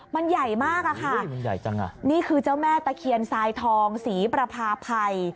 มันใหญ่มากอะค่ะนี่คือเจ้าแม่ตะเคียนทรายทองศรีประพาภัย